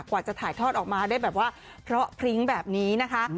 กว่าจะถ่ายทอดออกมาได้แบบว่าเพราะพริ้งแบบนี้นะคะ